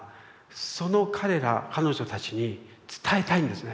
その彼ら彼女たちに伝えたいんですね。